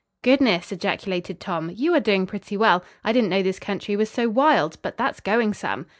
"Goodness!" ejaculated Tom. "You are doing pretty well. I didn't know this country was so wild. But that's going some."